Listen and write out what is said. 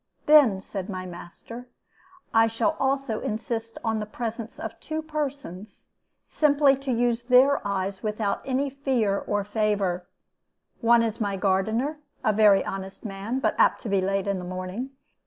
'Then,' said my master, 'I shall also insist on the presence of two persons, simply to use their eyes without any fear or favor. One is my gardener, a very honest man, but apt to be late in the morning.